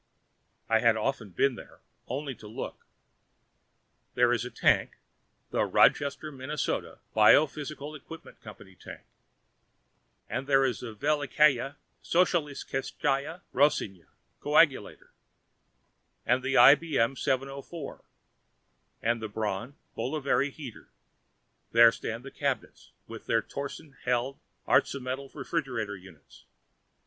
I had often been there, only to look. There is the tank the Rochester, Minnesota, Biophysical Equipment Co. tank. And there is the Velikaya Socialisticheskaya Rossiya coagulator, and the IBM 704, and the Braun, Boveri heater. There stand the cabinets, with their Torsen, Held Artztmetal refrigeration units.